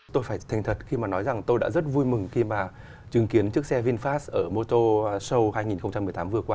tôi phải thành thật khi mà nói rằng tôi đã rất vui mừng khi mà chứng kiến chiếc xe vinfast ở motor show hai nghìn một mươi tám vừa qua